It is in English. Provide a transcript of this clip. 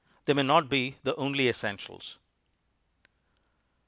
They may not be the only essentials.